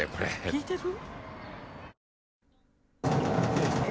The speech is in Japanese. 聞いてる？